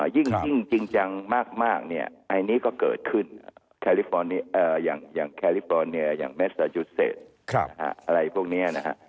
ยิ่งจริงจังมากอันนี้ก็เกิดขึ้นอย่างแคลิฟอร์เนียแมซาจูเซตอะไรพวกนี้นะครับ